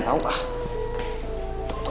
tunggu karo karo